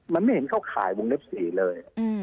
มันไม่เห็นเขาขายวงเลขสี่เลย